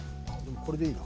これでいいな。